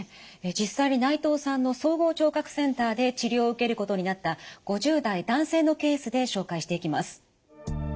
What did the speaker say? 実際に内藤さんの総合聴覚センターで治療を受けることになった５０代男性のケースで紹介していきます。